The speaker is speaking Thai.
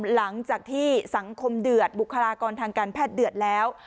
หลังจากที่สังคมเดือดบุคลากรทางการแพทย์เดือดแล้ว